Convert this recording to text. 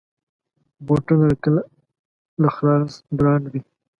بوټونه کله له خاص برانډ وي.